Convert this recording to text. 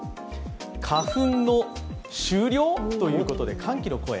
花粉の終了？ということで歓喜の声。